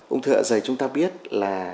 ung thư dạ dày chúng ta biết là